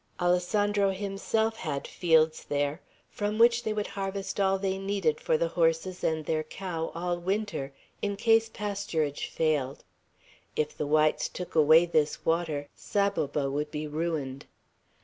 Alessandro himself had fields there from which they would harvest all they needed for the horses and their cow all winter, in case pasturage failed. If the whites took away this water, Saboba would be ruined.